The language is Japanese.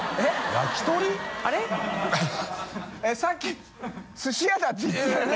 ┐さっき寿司屋だって言ってたよね？